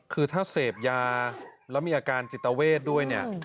คือถ้าเสพยาแล้วมีอาการจิตเวทย์ด้วย